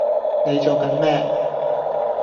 你做緊咩